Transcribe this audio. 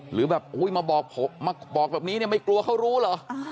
หรือแบบอุ้ยมาบอกแบบนี้ไม่กลัวเขารู้หรอ